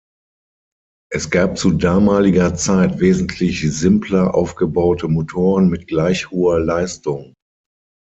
Es gab zu damaliger Zeit wesentlich simpler aufgebaute Motoren mit gleich hoher Leistung.